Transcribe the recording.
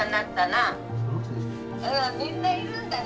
みんないるんだな。